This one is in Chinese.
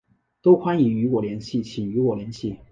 都欢迎与我联系请与我联系